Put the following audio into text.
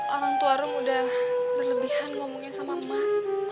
orang tua rum udah berlebihan ngomongin sama mak